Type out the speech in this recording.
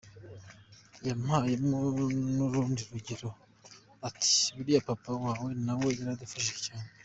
Yampayemo n’urundi rugero, ati buriya papa wawe nawe yaradufashije cyane.